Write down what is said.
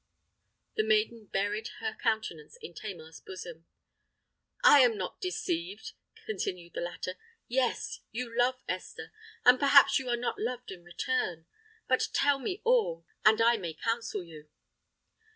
The maiden buried her countenance in Tamar's bosom. "I am not deceived!" continued the latter. "Yes—you love, Esther; and perhaps you are not loved in return? But tell me all, and I may counsel you."